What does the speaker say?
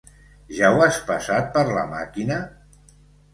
Ja ho has passat per la màquina?